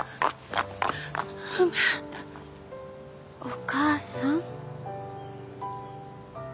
お母さん？